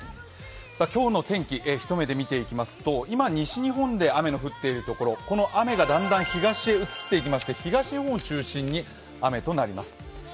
今日の天気、一目で見ていきますと今、西日本で雨が降っているところ、この雨がだんだん東へ移っていきまして、東日本中心に雨となります。